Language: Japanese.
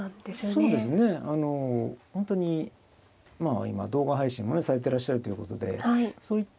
本当にまあ今動画配信もねされてらっしゃるということでそういった